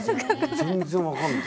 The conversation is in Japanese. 全然分かんない。